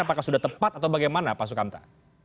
apakah sudah tepat atau bagaimana pak sukamta